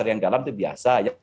yang dalam itu biasa